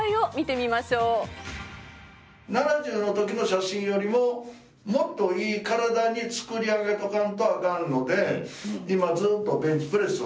７０の時の写真よりももっといい体に作り上げとかんとアカンので今ずっとベンチプレスを。